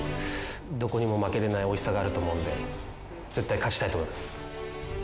どこにも負けれない美味しさがあると思うんで絶対勝ちたいと思います。